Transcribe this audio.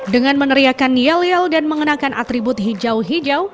dengan meneriakan yel yel dan mengenakan atribut hijau hijau